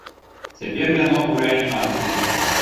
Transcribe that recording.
Цяпер яно ў рэанімацыі.